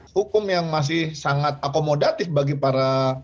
hukum yang masih sangat akomodatif bagi para